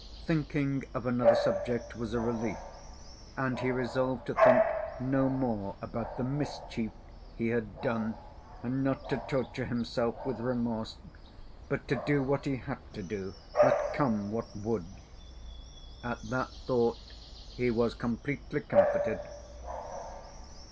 Thinking of another subject was a relief, and he resolved to think no more about the "mischief" he had done, and not to torture himself with remorse, but to do what he had to do, let come what would. At that thought he was completely comforted.